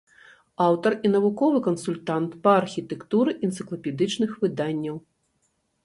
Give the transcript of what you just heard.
Аўтар і навуковы кансультант па архітэктуры энцыклапедычных выданняў.